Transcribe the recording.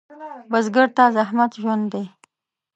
بزګر ته زحمت ژوند دی